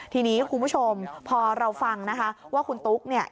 ทีนี้คุณผู้ชมพอเราฟังนะคะว่าคุณตุ๊กเนี่ย